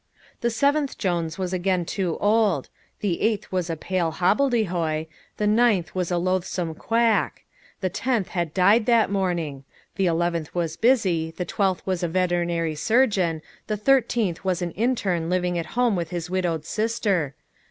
The seventh Jones was again too old; the eighth was a pale hobbledehoy; the ninth was a loathsome quack; the tenth had died that morning; the eleventh was busy; the twelfth was a veterinary surgeon; the thirteenth was an intern living at home with his widowed sister.